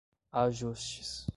ajustes